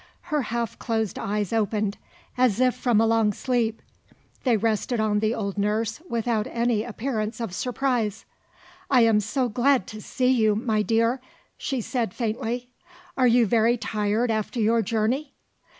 Her half closed eyes opened, as if from a long sleep: they rested on the old nurse without any appearance of surprise. "I am so glad to see you, my dear," she said faintly. "Are you very tired after you journey?"